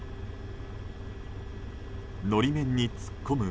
法面に突っ込む